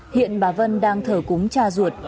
hiện bà vân đang thở cúng cha ruột